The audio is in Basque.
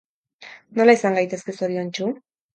Nola izan gaitezke zoriontsu?